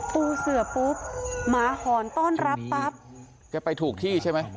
ปูเสือปุ๊บหมาหอนต้อนรับปั๊บแกไปถูกที่ใช่ไหม